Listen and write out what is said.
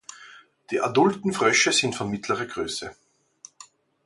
Die adulten Frösche sind von mittlerer Größe.